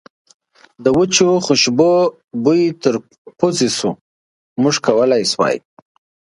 د وچو خوشبو بوی تر پوزې شو، موږ کولای شوای.